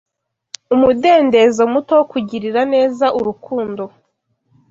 umudendezo muto wo kugirira neza Urukundo